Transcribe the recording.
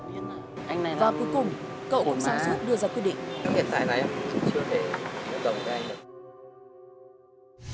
và cuối cùng cậu cũng sẵn sức đưa ra quyết định